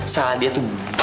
salah dia tuh